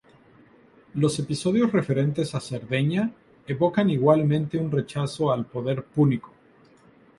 Los episodios referentes a Cerdeña evocan igualmente un rechazo al poder púnico.